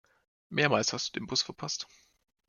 Mehrmals hast du den Bus verpasst.